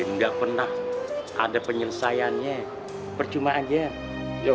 maaf ini dari siapa ya